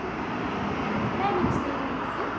何をしているんです？